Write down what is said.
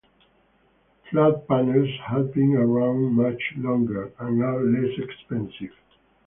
Flat panels have been around much longer and are less expensive.